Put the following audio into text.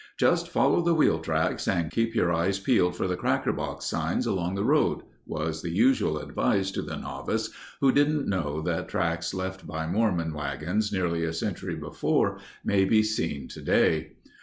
"Just follow the wheel tracks and keep your eyes peeled for the cracker box signs along the road," was the usual advice to the novice who didn't know that tracks left by Mormons' wagons nearly a century before may be seen today.